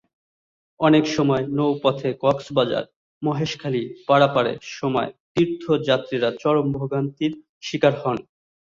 অনেক সময় নৌপথে কক্সবাজার-মহেশখালী পারাপারের সময় তীর্থযাত্রীরা চরম ভোগান্তির শিকার হন।